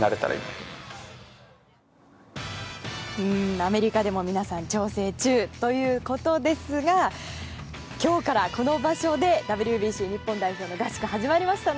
アメリカでも皆さん調整中ということですが今日からこの場所でＷＢＣ日本代表の合宿が始まりましたね。